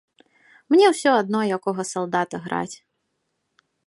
Мне ўсё адно, якога салдата граць.